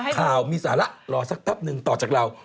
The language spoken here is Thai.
ข่าวมีสาระรอสักแป๊บนึงต่อจากเรา